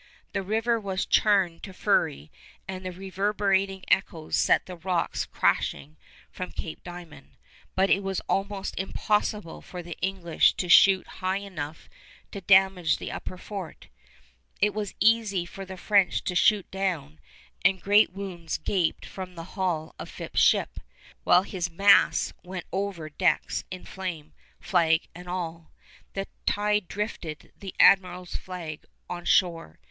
The river was churned to fury and the reverberating echoes set the rocks crashing from Cape Diamond, but it was almost impossible for the English to shoot high enough to damage the upper fort. It was easy for the French to shoot down, and great wounds gaped from the hull of Phips' ship, while his masts went over decks in flame, flag and all. The tide drifted the admiral's flag on shore.